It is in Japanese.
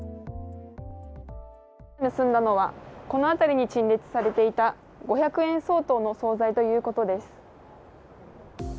盗んだのはこの辺りに陳列されていた５００円相当の総菜ということです。